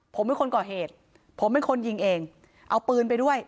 ผมเป็นคนก่อเหตุผมเป็นคนยิงเองเอาปืนไปด้วย